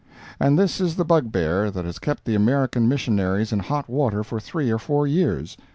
And this is the bugbear that has kept the American missionaries in hot water for three or four years!